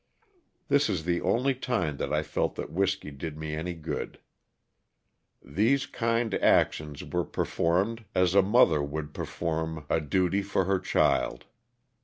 This is the only time that I felt that whiskey did me any good. These kind actions were performed as a mother would perform a 102 LOSS OF THE SULTANA. duty for her child.